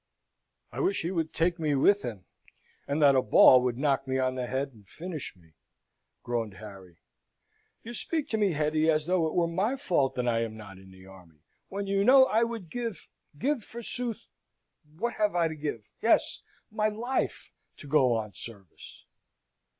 "I wish he would take me with him, and that a ball would knock me on the head and finish me," groaned Harry. "You speak to me, Hetty, as though it were my fault that I am not in the army, when you know I would give give, forsooth, what have I to give? yes! my life to go on service!"